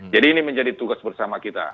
jadi ini menjadi tugas bersama kita